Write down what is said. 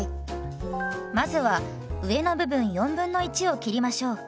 まずは上の部分1/4を切りましょう。